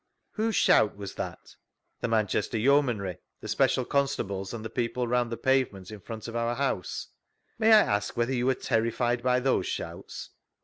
Whose shout was that ?— The Manchester Yeo manry, the special constables, and the people round the pavement in front of our house. May I ask you whether you were terrified by those shouts?